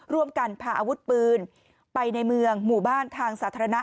ร่วมกันพาอาวุธปืนไปในเมืองหมู่บ้านทางสาธารณะ